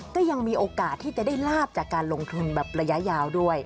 ก็ยังมีโอกาสที่จะได้ลาบจากการลงทุนแบบระยะยาวด้วย